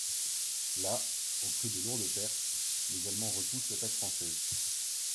Là, au prix de lourdes pertes, les Allemands repoussent l'attaque française.